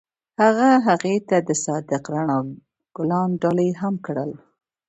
هغه هغې ته د صادق رڼا ګلان ډالۍ هم کړل.